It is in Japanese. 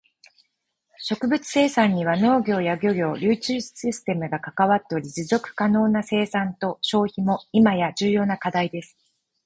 食物生産には農業や漁業、流通システムが関わっており、持続可能な生産と消費も今や重要な課題です。